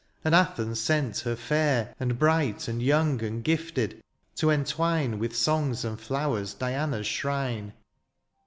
And Athens sent her fair, and bright. And young, and gifted, to entwine With songs and flowers Diana's shrine.